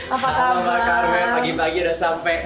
apa kabar pagi pagi sudah sampai